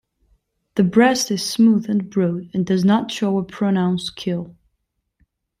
The breast is smooth and broad, and does not show a pronounced keel.